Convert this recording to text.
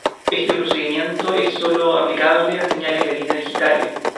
Este procedimiento, es solo aplicable a señales de línea digitales.